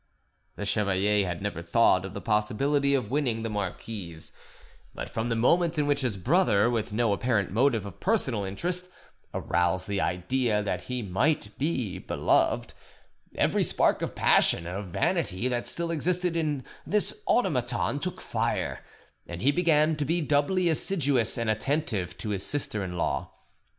The chevalier had never thought of the possibility of winning the marquise; but from the moment in which his brother, with no apparent motive of personal interest, aroused the idea that he might be beloved, every spark of passion and of vanity that still existed in this automaton took fire, and he began to be doubly assiduous and attentive to his sister in law.